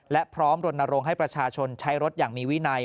และพร้อมรณรงค์ให้ประชาชนใช้รถอย่างมีวินัย